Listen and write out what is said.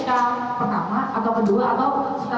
freddy budiman ini mengajukan lagi atau tidak